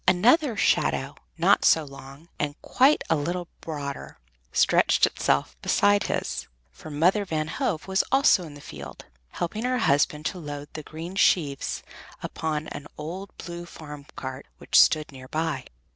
Another shadow, not so long, and quite a little broader, stretched itself beside his, for Mother Van Hove was also in the field, helping her husband to load the golden sheaves upon an old blue farm cart which stood near by.